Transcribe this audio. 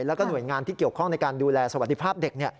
แล้วก็หน่วยงานที่เกี่ยวข้องในการดูแลสวัสดิภาพเด็ก